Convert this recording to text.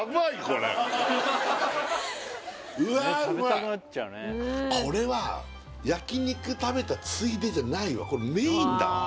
「ふうー」これは焼肉食べたついでじゃないわこれメインだわ